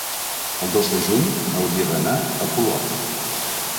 El dos de juny hauria d'anar a Polop.